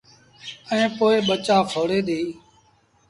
ائيٚݩ پو ٻچآ ڦوڙي ديٚ۔